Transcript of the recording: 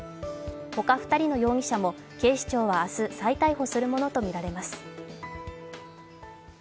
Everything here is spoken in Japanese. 他２人の容疑者も警視庁は明日、再逮捕するものとみられます。